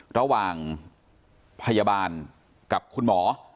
ระหว่างพยาบาลกับคุณหมอ